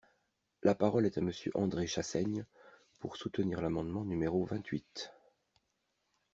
La parole est à Monsieur André Chassaigne, pour soutenir l’amendement numéro vingt-huit.